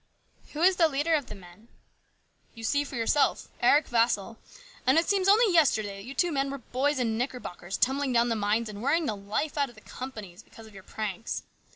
" Who is the leader of the men ?"" You see for yourself ; Eric Vassall. And it seems only yesterday that you two men were boys in knickerbockers tumbling down the mines and worrying the life out of the companies because of your pranks.